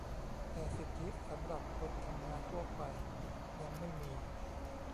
แต่สิทธิสำหรับคนทำงานทั่วไป ยังไม่มี